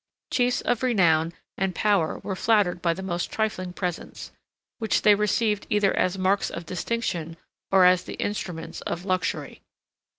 Chiefs of renown and power were flattered by the most trifling presents, which they received either as marks of distinction, or as the instruments of luxury.